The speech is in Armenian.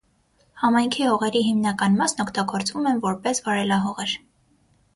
Համայնքի հողերի հիմնական մասն օգտագործվում են որպես վարելահողեր։